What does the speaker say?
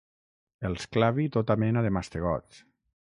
Els clavi tota mena de mastegots.